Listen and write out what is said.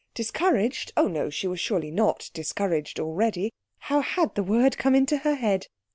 Discouraged? Oh no; she was surely not discouraged already. How had the word come into her head?